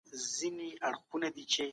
د نورو مبارزینو ملاتړ وکړه